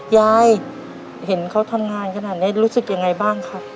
ยายเห็นเขาทำงานขนาดนี้รู้สึกยังไงบ้างครับ